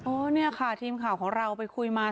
เนี่ยค่ะทีมข่าวของเราไปคุยมา